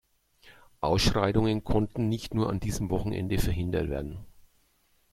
Ausschreitungen konnten nicht nur an diesem Wochenende verhindert werden.